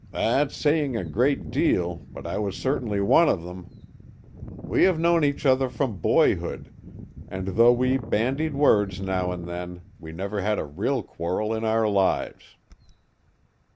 "That's saying a great deal, but I was certainly one of them. We have known each other from boyhood, and though we bandied words now and then, we never had a real quarrel in our lives."